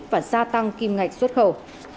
và gia tăng kim ngạch xuất khẩu